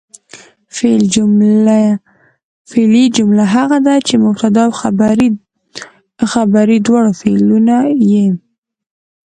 فعلي جمله هغه ده، چي مبتدا او خبر ئې دواړه فعلونه يي.